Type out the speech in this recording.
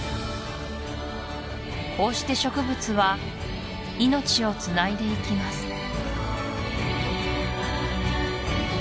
こうして植物は命をつないでいきます